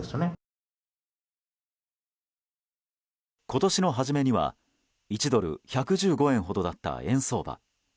今年の初めには、１ドル＝１１５円ほどだった円相場。